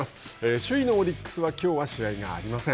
首位のオリックスはきょうは試合がありません。